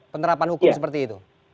penerapan hukum seperti itu